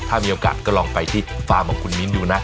ถ้ามีโอกาสก็ลองไปที่ฟาร์มของคุณมิ้นดูนะ